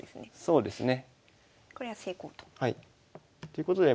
そうですね。